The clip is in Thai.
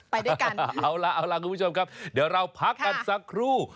ไปด้วยกันเอาล่ะเอาล่ะคุณผู้ชมครับเดี๋ยวเราพักกันสักครู่